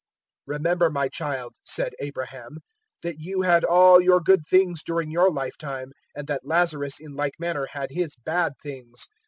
016:025 "`Remember, my child,' said Abraham, `that you had all your good things during your lifetime, and that Lazarus in like manner had his bad things.